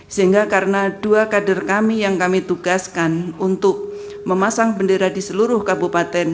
sehingga karena dua kader kami yang kami tugaskan untuk memasang bendera di seluruh kabupaten